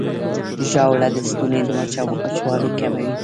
ژاوله د ستوني وچوالی کموي.